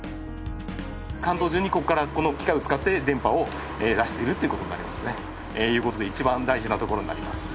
関東中にここからこの機械を使って電波を出しているっていう事になりますね。という事で一番大事なところになります。